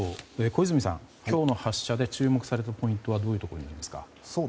小泉さん、今日の発射で注目されるポイントはどういうことになりますか。